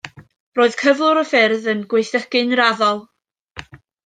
Roedd cyflwr y ffyrdd yn gwaethygu'n raddol.